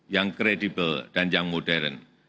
yang kredibel dan yang modern